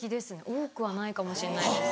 多くはないかもしれないです。